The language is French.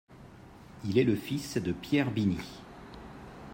Il est le fils de Pierre Bini.